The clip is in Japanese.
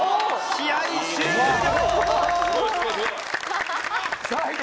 試合終了！